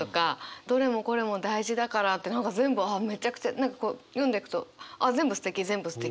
「どれもこれも大事だから」って何か全部あめちゃくちゃ読んでいくとあ全部すてき全部すてきってなっていく。